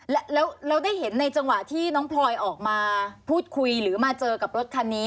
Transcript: แล้วเราได้เห็นในจังหวะที่น้องพลอยออกมาพูดคุยหรือมาเจอกับรถคันนี้